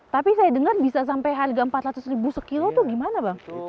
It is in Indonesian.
tapi saya dengar bisa sampai harga empat ratus ribu sekilo tuh gimana bang